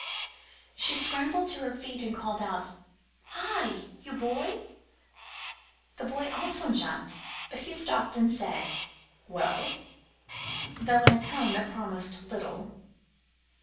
She scrambled to her feet and called out, "Hi! you boy!" The boy also jumped. But he stopped and said, "Well?" though in a tone that promised little.